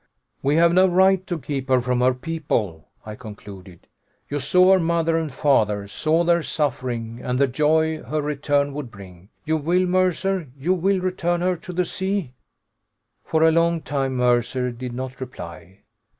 "We have no right to keep her from her people," I concluded. "You saw her mother and father, saw their suffering, and the joy her return would bring. You will, Mercer you will return her to the sea?" For a long time, Mercer did not reply.